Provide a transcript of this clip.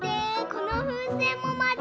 このふうせんもまる！